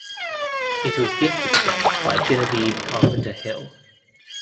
It was gifted to them by Genevieve Carpenter Hill.